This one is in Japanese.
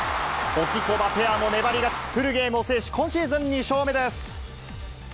ホキコバペアの粘り勝ち、フルゲームを制し、今シーズン２勝目です。